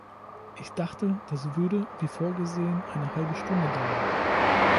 Ich dachte, das würde, wie vorgesehen, eine halbe Stunde dauern.